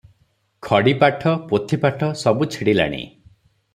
ଖଡ଼ିପାଠ, ପୋଥିପାଠ ସବୁ ଛିଡ଼ିଲାଣି ।